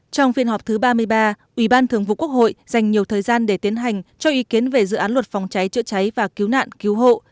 trong phiên họp thứ ba mươi ba ủy ban thường vụ quốc hội dành nhiều thời gian để tiến hành cho ý kiến về dự án luật phòng cháy chữa cháy và cứu nạn cứu hộ